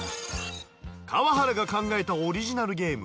川原が考えたオリジナルゲーム。